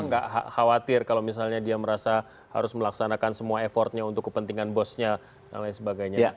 nggak khawatir kalau misalnya dia merasa harus melaksanakan semua effortnya untuk kepentingan bosnya dan lain sebagainya